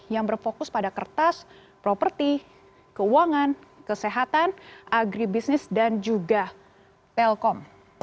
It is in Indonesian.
yang berfokus pada kertas properti keuangan kesehatan agribisnis dan juga telkom